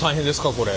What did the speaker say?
これ。